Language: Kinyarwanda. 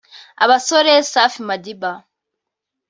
abasore Safi Madiba